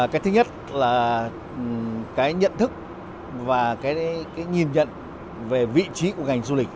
cái thứ nhất là cái nhận thức và cái nhìn nhận về vị trí của ngành du lịch